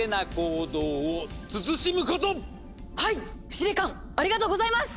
司令官ありがとうございます！